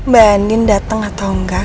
bandin dateng atau enggak